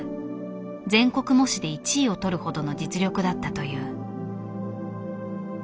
全国模試で１位を取るほどの実力だったという。